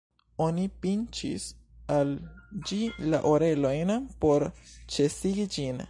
Oni pinĉis al ĝi la orelojn por ĉesigi ĝin.